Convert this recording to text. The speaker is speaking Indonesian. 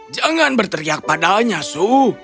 jangan berteriak padanya sue